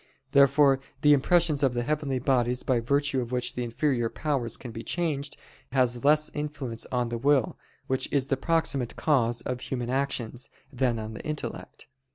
Therefore the impressions of the heavenly bodies, by virtue of which the inferior powers can be changed, has less influence on the will, which is the proximate cause of human actions, than on the intellect.